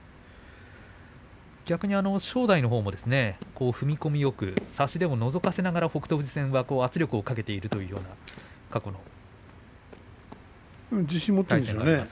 逆に正代のほうが踏み込みよく差し手をのぞかせながら北勝富士戦は圧力をかけているというような過去の対戦です。